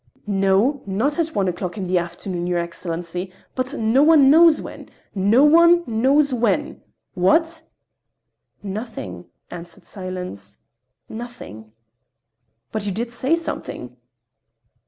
"No, not at one o'clock in the afternoon, your Excellency, but no one knows when. No one knows when! What?" "Nothing," answered Silence, "nothing." "But you did say something."